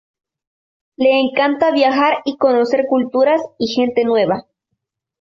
Le encanta viajar y conocer culturas y gente nueva.